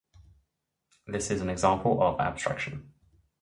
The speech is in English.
This is an example of abstraction.